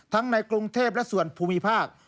ในกรุงเทพและส่วนภูมิภาค